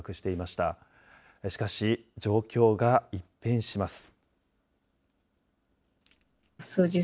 しかし、状況が一変します。